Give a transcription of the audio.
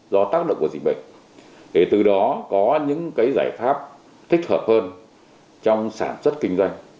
do tác động của dịch bệnh để từ đó có những giải pháp thích hợp hơn trong sản xuất kinh doanh